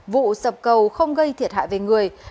vụ sập cầu không gây thiệt hại về người